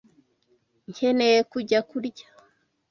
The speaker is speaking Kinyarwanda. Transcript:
Nkeneye gujya kurya.